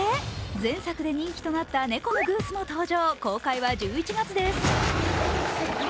前作で人気となった猫のグースも登場。